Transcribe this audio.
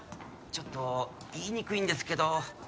ちょっと言いにくいんですけど。